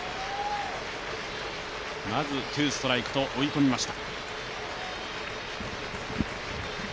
まずツーストライクと追い込みました。